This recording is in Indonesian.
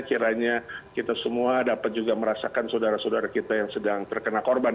kiranya kita semua dapat juga merasakan saudara saudara kita yang sedang terkena korban